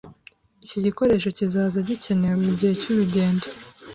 Iki gikoresho kizaza gikenewe mugihe cyurugendo